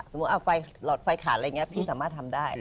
ไฟหลอดไฟขาดอะไรอย่างนี้พี่สามารถทำได้